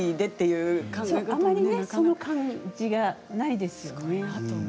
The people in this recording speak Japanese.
そう、あまりその感じがないですよね。